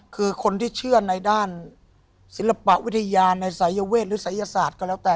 คือคนที่เชื่อในด้านศิลปวิทยาในศัยเวศหรือศัยศาสตร์ก็แล้วแต่